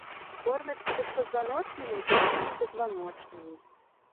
Кормяцца беспазваночнымі і дробнымі пазваночнымі.